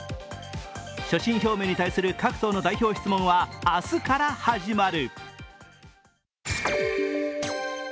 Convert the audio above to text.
所信表明に対する各党の代表質問は明日から始まる。